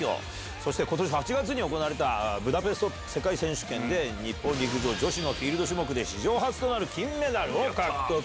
そして、ことし８月に行われたブダペスト世界選手権で日本陸上女子のフィールド種目で史上初となる金メダルを獲得。